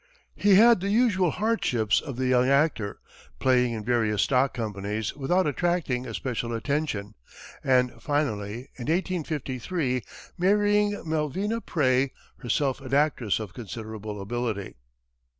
He had the usual hardships of the young actor, playing in various stock companies without attracting especial attention, and finally, in 1853, marrying Malvina Pray, herself an actress of considerable ability.